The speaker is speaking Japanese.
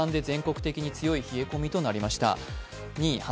全国的に強い冷え込みとなりました。